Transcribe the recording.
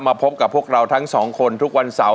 พบกับพวกเราทั้งสองคนทุกวันเสาร์